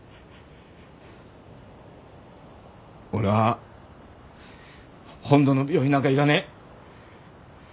俺は本土の病院なんか行かねえ。